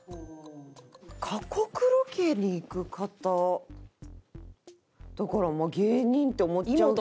過酷ロケに行く方だからまあ芸人って思っちゃうけど。